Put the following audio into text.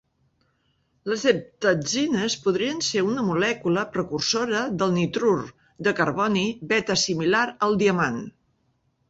Les heptazines podrien ser una molècula precursora del nitrur de carboni beta similar al diamant.